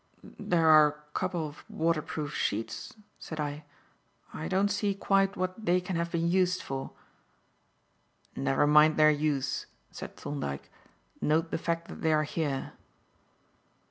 "There are a couple of waterproof sheets," said I. "I don't see quite what they can have been used for." "Never mind their use," said Thorndyke. "Note the fact that they are here."